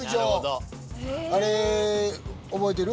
あれ覚えてる？